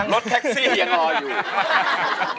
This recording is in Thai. รถแท็กซี่ยังรออยู่